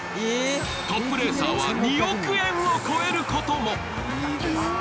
トップレーサーは２億円を超えることも。